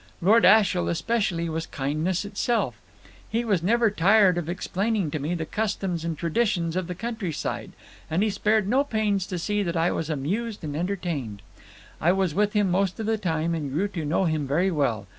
Lord Ashiel, especially, was kindness itself; he was never tired of explaining to me the customs and traditions of the countryside, and he spared no pains to see that I was amused and entertained. I was with him most of the time, and grew to know him very well.